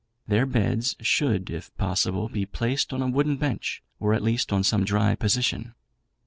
Their beds should, if possible, be placed on a wooden bench, or at least on some dry position.